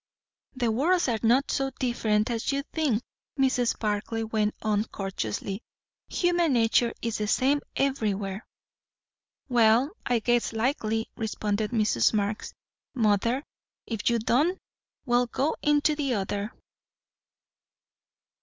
"The worlds are not so different as you think," Mrs. Barclay went on courteously. "Human nature is the same everywhere." "Well, I guess likely," responded Mrs. Marx. "Mother, if you've done, we'll go into the other."